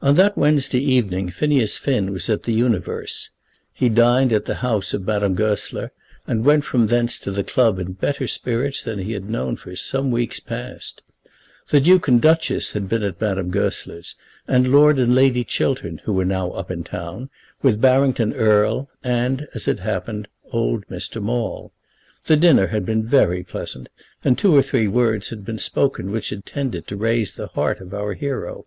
On that Wednesday evening Phineas Finn was at The Universe. He dined at the house of Madame Goesler, and went from thence to the club in better spirits than he had known for some weeks past. The Duke and Duchess had been at Madame Goesler's, and Lord and Lady Chiltern, who were now up in town, with Barrington Erle, and, as it had happened, old Mr. Maule. The dinner had been very pleasant, and two or three words had been spoken which had tended to raise the heart of our hero.